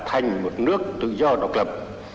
thành một nước tự do độc lập